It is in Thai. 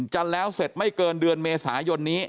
จะแล้วเสร็จไม่เกินเดือนเมษายนนี้